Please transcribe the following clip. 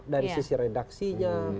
dari sisi redaksinya